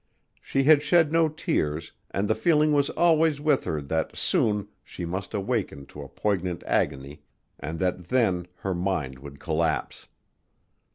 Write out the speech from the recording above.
She had shed no tears and the feeling was always with her that soon she must awaken to a poignant agony and that then her mind would collapse.